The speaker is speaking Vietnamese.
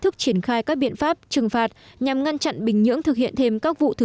thức triển khai các biện pháp trừng phạt nhằm ngăn chặn bình nhưỡng thực hiện thêm các vụ thử